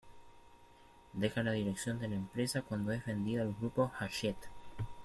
Deja la dirección de la empresa cuando es vendida al grupo Hachette.